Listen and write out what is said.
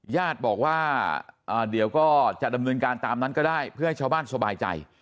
ญาติบอกว่าเดี๋ยวก็จะดำเนินการตามนั้นก็ได้เพื่อให้ชาวบ้านสบายใจ